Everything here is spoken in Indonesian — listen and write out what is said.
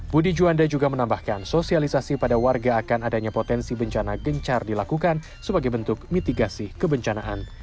budi juanda juga menambahkan sosialisasi pada warga akan adanya potensi bencana gencar dilakukan sebagai bentuk mitigasi kebencanaan